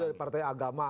dia dari partai agama